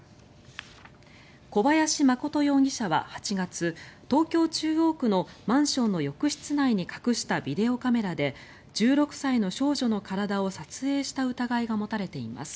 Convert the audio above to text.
小林誠容疑者は８月東京・中央区のマンションの浴室内に隠したビデオカメラで１６歳の少女の体を撮影した疑いが持たれています。